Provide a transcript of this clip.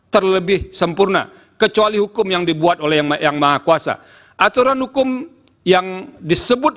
terlebih sempurna kecuali hukum yang dibuat oleh yang maha kuasa aturan hukum yang disebut